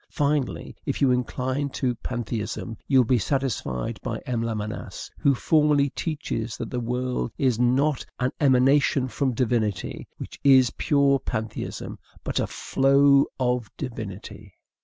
Finally, if you incline to pantheism, you will be satisfied by M. Lamennais, who formally teaches that the world is not an EMANATION from Divinity, which is pure pantheism, but a FLOW of Divinity.